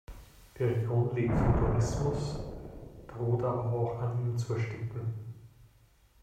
Die Region lebt vom Tourismus, droht aber auch an ihm zu ersticken.